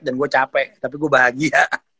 dan gue capek tapi gue bahagia